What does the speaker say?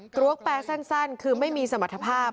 กลัวแปรสั้นคือไม่มีสมรรถภาพ